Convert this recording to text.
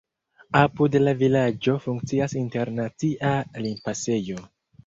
Apud la vilaĝo funkcias internacia limpasejo.